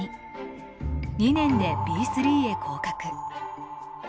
２年でＢ３へ降格。